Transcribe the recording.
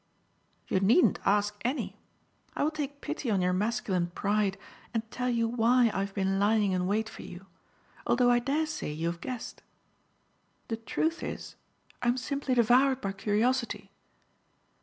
"You needn't ask any. I will take pity on your masculine pride and tell you why I have been lying in wait for you, although I daresay you have guessed. The truth is, I am simply devoured by curiosity."